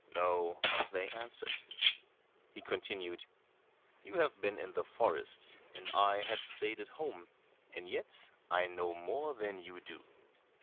"No," they answered. He continued, "You have been in the forest and I have stayed at home, and yet I know more than you do."